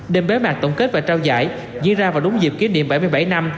đêm bế mạc tổng kết và trao giải diễn ra vào đúng dịp kỷ niệm bảy mươi bảy năm